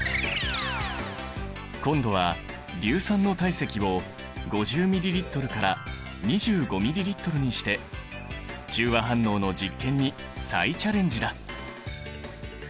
今度は硫酸の体積を５０ｍＬから２５ｍＬにして中和反応の実験に再チャレンジだ！